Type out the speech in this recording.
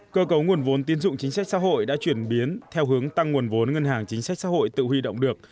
cơ cấu nguồn vốn tiến dụng chính sách xã hội đã chuyển biến theo hướng tăng nguồn vốn ngân hàng chính sách xã hội tự huy động được